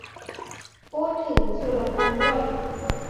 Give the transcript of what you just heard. พูดถึงสุรพลด้วย